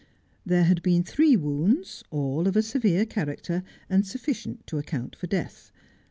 There had been three wounds, all of a severe character, and sufficient to account for death.